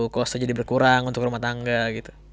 cost aja jadi berkurang untuk rumah tangga gitu